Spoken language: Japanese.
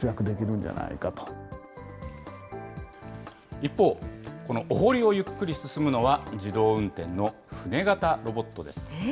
一方、このお堀をゆっくり進むのは、自動運転の船型ロボットです。